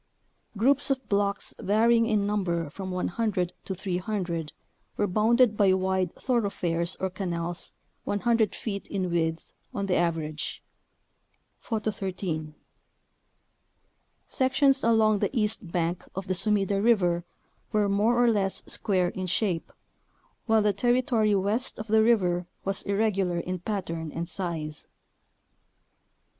Groups of blocks vary ing in number from 100 to 300 were bounded by wide thoroughfares or canals 100 feet in width on the average (Photo 13). Sections along the east bank of the Sumida River were (more or less) square in shape, while the territory west of the river was irregular in pattern and size.